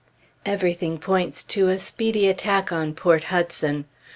Everything points to a speedy attack on Port Hudson.